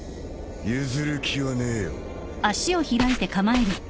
譲る気はねえよ。